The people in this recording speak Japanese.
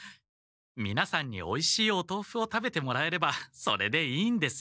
みなさんにおいしいお豆腐を食べてもらえればそれでいいんですよ。